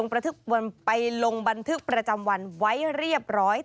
ไปลงบันทึกประจำวันไว้เรียบร้อย